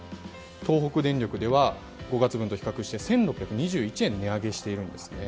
東北電力では５月分と比較して１６２１円値上げしているんです。